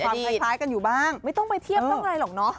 คล้ายกันอยู่บ้างไม่ต้องไปเทียบต้องอะไรหรอกเนาะ